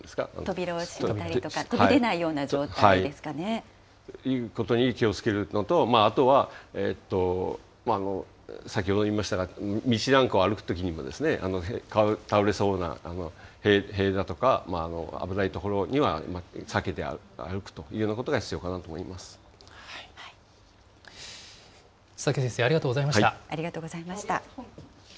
扉を閉めたりですとか、飛び出ない状態ですかね。ということに気をつけるということとあとは先ほど言いましたが、道なんかを歩くときにも、倒れそうな塀だとか危ない所には、避けて歩くというようなことが必佐竹先生、ありがとうございありがとうございました。